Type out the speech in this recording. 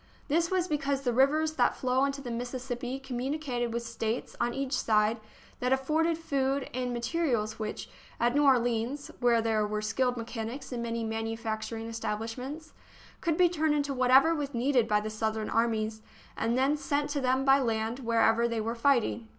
This was because the rivers that flow into the Mississippi communicated with States on each side that afforded food and materials which, at New Orleans, where there were skilled mechanics and many manufacturing establishments, could be turned into whatever was needed by the Southern armies, and then sent to them by land wherever they were fighting.